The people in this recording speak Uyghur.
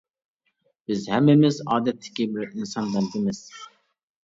بىز ھەممىمىز ئادەتتىكى بىر ئىنسان بەندىمىز.